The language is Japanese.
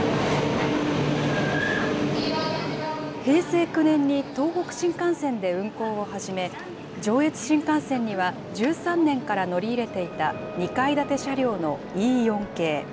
平成９年に東北新幹線で運行を始め、上越新幹線には１３年から乗り入れていた２階建て車両のＥ４系。